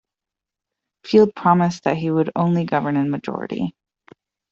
Field promised that he would only govern in majority.